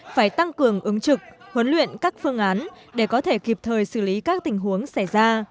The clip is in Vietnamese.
phải tăng cường ứng trực huấn luyện các phương án để có thể kịp thời xử lý các tình huống xảy ra